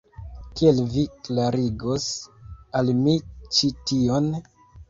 Kiel vi klarigos al mi ĉi tion?